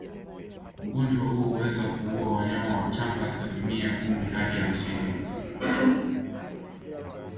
Ugonjwa huu huweza kuua wanyama wachanga silimia kumi hadi hamsini